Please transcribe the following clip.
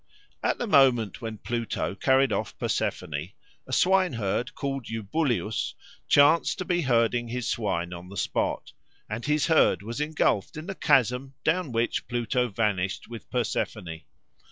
At the moment when Pluto carried off Persephone, a swineherd called Eubuleus chanced to be herding his swine on the spot, and his herd was engulfed in the chasm down which Pluto vanished with Persephone.